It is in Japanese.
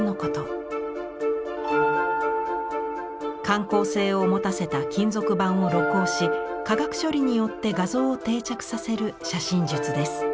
感光性をもたせた金属板を露光し化学処理によって画像を定着させる写真術です。